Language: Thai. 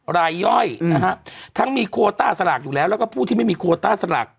รายย่อยนะฮะทั้งมีโคต้าสลากอยู่แล้วแล้วก็ผู้ที่ไม่มีโคต้าสลาก